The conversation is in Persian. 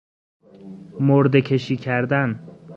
مرده کشی کردن